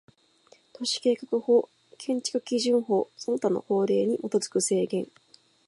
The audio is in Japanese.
都市計画法、建築基準法その他の法令に基づく制限